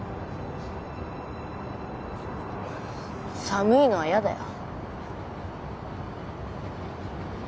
寒いのは嫌だよ。